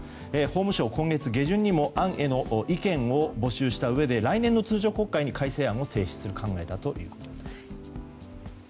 法務省、今月下旬にも意見を募集したうえで来年の通常国会で改正案を提出する考えです。